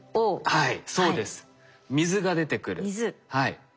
はい。